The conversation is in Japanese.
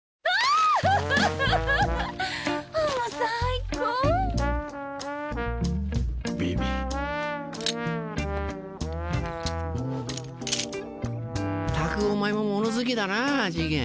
ったくお前も物好きだな次元。